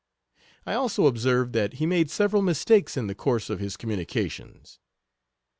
I also observed, that he made several mistakes in the course of his communications.